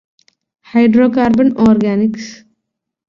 hydrocarbon ഓര്ഗാനിക്സ്